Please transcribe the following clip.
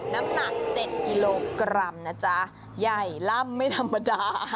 น้ำหนัก๗กิโลกรัมนะจ๊ะใหญ่ล่ำไม่ธรรมดา